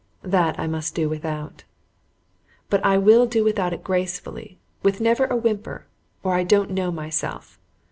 That I must do without. But I will do without it gracefully, with never a whimper, or I don't know myself.